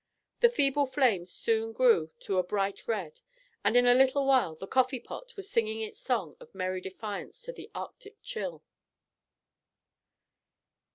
The feeble flame soon grew to a bright red, and in a little while the coffee pot was singing its song of merry defiance to the Arctic chill.